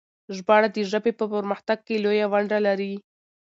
ژباړه د ژبې په پرمختګ کې لويه ونډه لري.